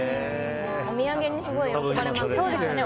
お土産にすごい喜ばれますね。